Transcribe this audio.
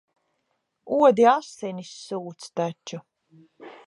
Odi asinis sūc taču.